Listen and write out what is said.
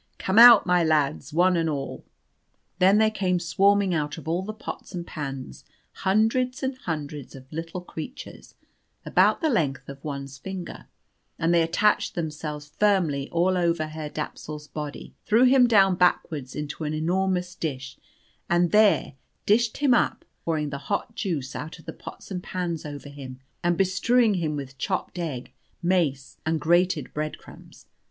Come out, my lads, one and all!" Then there came swarming out of all the pots and pans hundreds and hundreds of little creatures about the length of one's finger, and they attached themselves firmly all over Herr Dapsul's body, threw him down backwards into an enormous dish, and there dished him up, pouring the hot juice out of the pots and pans over him, and bestrewing him with chopped egg, mace, and grated breadcrumbs.